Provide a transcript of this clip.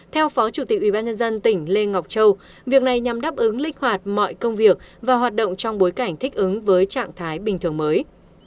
theo phó chủ tịch ubnd tỉnh lê ngọc châu việc này nhằm đáp ứng linh hoạt mọi công việc và hoạt động trong bối cảnh thích ứng với trạng thái bình thường mới